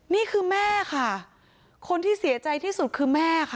นี่คือแม่ค่ะคนที่เสียใจที่สุดคือแม่ค่ะ